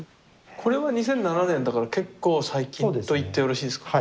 これは２００７年だから結構最近と言ってよろしいですか？